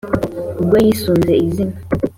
ubwo yisunze izina